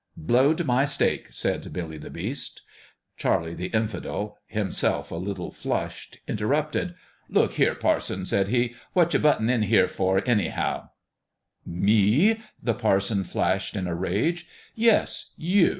" Blowed my stake," said Billy the Beast 120 BILLY the BEAST STARTS HOME Charlie the Infidel himself a little flushed interrupted. " Look here, parson !" said he ;" what you buttin' in here for, anyhow ?"" Me? " the parson flashed, in a rage. " Yes you